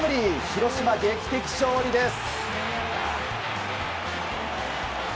広島、劇的勝利です。